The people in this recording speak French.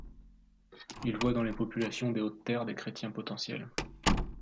Ils voient dans les populations des hautes terres des chrétiens potentiels.